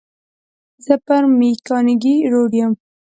زه پر مېکانګي روډ یم.